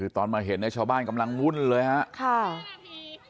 ตอนมาเห็นชาวบ้านกำลังวุ่นเลยครับ